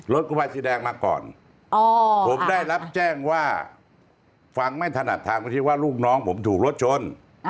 กุมารสีแดงมาก่อนผมได้รับแจ้งว่าฟังไม่ถนัดทางไปที่ว่าลูกน้องผมถูกรถชน